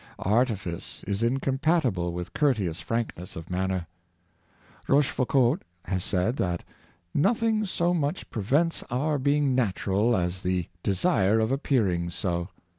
Artifice is incompatible with courteous frankness of manner. Rochefoucauld has said that " nothing so much prevents our being natural as the desire of ap pearing so."